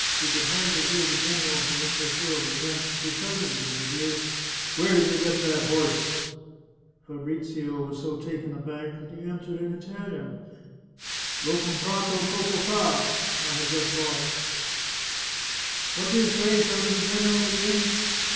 He could hardly hear the general he had so thoroughly drenched, who shouted into his ear: " Where did you get that horse ?" Fabrizio was so taken aback that he answered in Italian :" L'ho comprato poco fa! "(" I have just bought it.") " What do you say ?" shouted the general again.